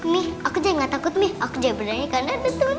mi aku jangan takut mi aku jangan berani karena ada temen temen nanti